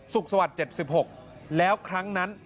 สวัสดิ์๗๖แล้วครั้งนั้น